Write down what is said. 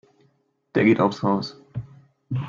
Der geht aufs Haus.